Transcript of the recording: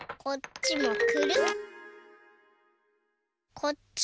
こっちもくるっ。